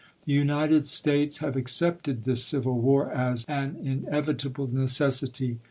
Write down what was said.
The United States have accepted this civil war as an inevitable necessity.